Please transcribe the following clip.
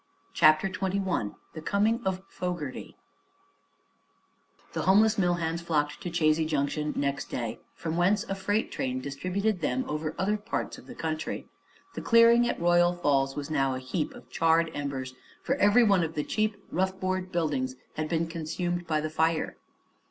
CHAPTER XXI THE COMING OF FOGERTY The homeless mill hands flocked to Chazy Junction next day, from whence a freight train distributed them over other parts of the country. The clearing at Royal Falls was now a heap of charred embers, for every one of the cheap, rough board buildings had been consumed by the fire.